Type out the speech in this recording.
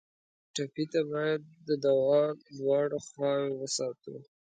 ټپي ته باید د دوا دواړه خواوې وساتو.